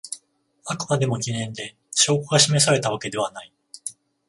あくまでも疑念で証拠が示されたわけではない